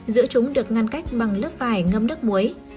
giữa chúng được ngăn cách bằng lớp vải ngâm nước muối